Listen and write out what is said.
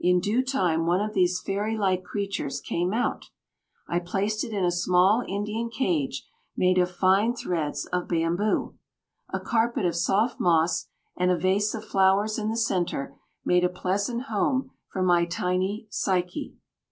In due time one of these fairy like creatures came out. I placed it in a small Indian cage, made of fine threads of bamboo. A carpet of soft moss and a vase of flowers in the centre made a pleasant home for my tiny "Psyche."